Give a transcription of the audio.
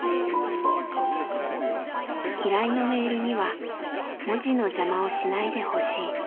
依頼のメールには「文字の邪魔をしないでほしい」